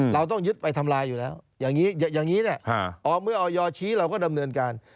เราต้องยึดไปทำลายอยู่แล้วอย่างนี้อย่างนี้เมื่อออยชี้เราก็ดำเนินการ